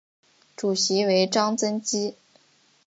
主席为张曾基。